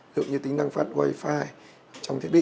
dù như tính năng phát wifi trong thiết bị